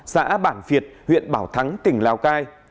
xã bản việt huyện bảo thắng tỉnh lào cai